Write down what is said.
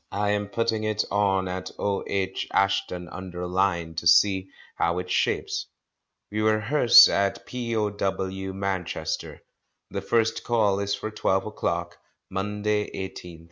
I am putting it on at O.H. Ashton under Lyne to see how it shapes. We rehearse at P.O.W. Manchester. The first Call is for twelve o'clock, Monday, 18th inst.